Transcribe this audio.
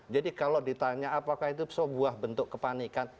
jadi kalau ditanya apakah itu sebuah bentuk kepanikan